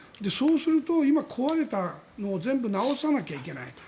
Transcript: そうすると今、壊れたものを全部直さなきゃいけない。